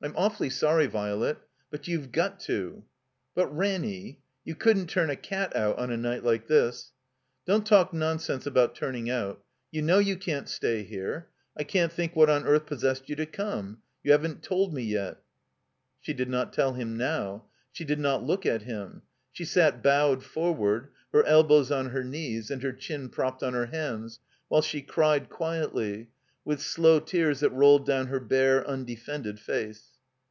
"I'm awfully sorry, Virelet. But youVe got to." "But, Ranny — ^you couldn't ttun a cat out on a night like this." "Don't talk nonsense, about timiing out. You know you can't stay here. I can't think what on earth possessed you to come. You haven't told me yet." She did not tell him now. She did not look at him. She sat bowed forward, her elbows on her knees, and her chin propped on her hands, while she cried, quietly, with slow tears that rolled down her bare, tmdefended face.